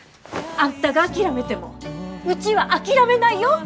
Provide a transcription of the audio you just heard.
あんたが諦めてもうちは諦めないよ。